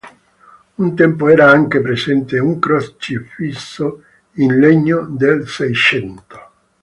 Un tempo era anche presente un crocifisso in legno del Seicento.